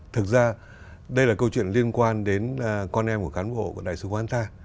thực ra đây là câu chuyện liên quan đến con em của cán bộ của đại sứ quán ta